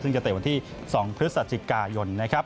ซึ่งจะเตะวันที่๒พฤศจิกายนนะครับ